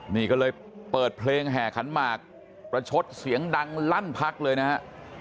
นี่ก็เลยเปิดเพลงแห่ขันหมากประชดเสียงดังลั่นพักเลยนะฮะ